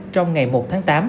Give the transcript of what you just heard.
trong ngày một tháng tám